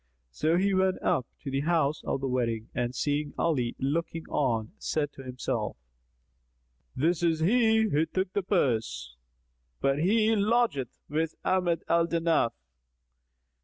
So he went up to the house of the wedding, and seeing Ali looking on, said to himself, "This is he who took the purse; but he lodgeth with Ahmad al Danaf."